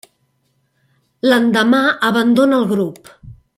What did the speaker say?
L'endemà, abandona el grup.